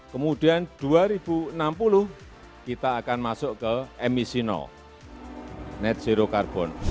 kemudian dua ribu enam puluh kita akan masuk ke emisi net zero carbon